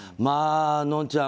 のんちゃん